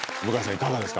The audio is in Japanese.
いかがですか？